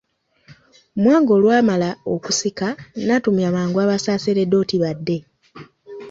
Mwanga olwamala okusika n'atumya mangu Abasaserdoti badde.